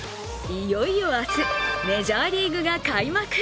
いよいよ明日、メジャーリーグが開幕。